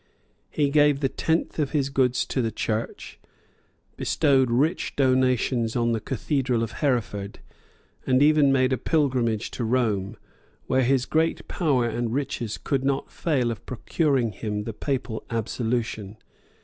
He gave the tenth of his goods to the church;[] bestowed rich donations on the cathedral of Hereford, and even made a pilgrimage to Rome, where his great power and riches could not fail of procuring him the papal absolution.